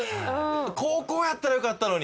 後攻やったらよかったのに。